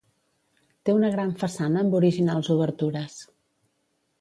Té una gran façana amb originals obertures.